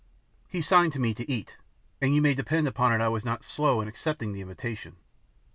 He signed to me to eat, and you may depend upon it I was not slow in accepting the invitation.